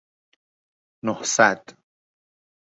نهصد